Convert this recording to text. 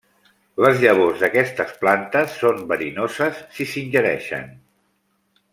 Les llavors d'aquestes plantes són verinoses si s'ingereixen.